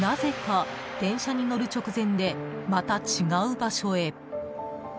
なぜか電車に乗る直前でまた違う場所へ。